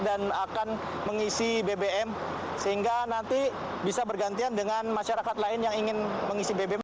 dan akan mengisi bbm sehingga nanti bisa bergantian dengan masyarakat lain yang ingin mengisi bbm